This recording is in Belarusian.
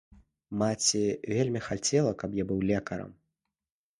Маці вельмі хацела, каб я быў лекарам.